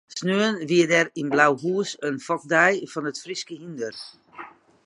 Sneon wie der yn Blauhûs in fokdei fan it Fryske hynder.